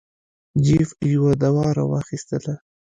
جیف یوه دوا را واخیستله.